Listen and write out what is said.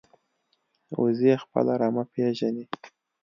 وزې خپل رمه پېژني